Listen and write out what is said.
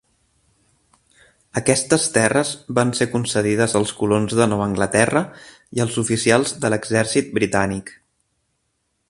Aquestes terres van ser concedides als colons de Nova Anglaterra i als oficials de l'exèrcit britànic.